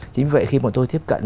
chính vì vậy khi bọn tôi tiếp cận